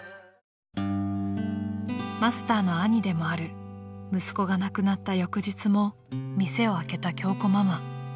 ［マスターの兄でもある息子が亡くなった翌日も店を開けた京子ママ］